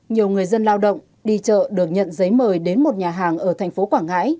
nhiều người dân lao động đi chợ được nhận giấy mời đến một nhà hàng ở thành phố quảng ngãi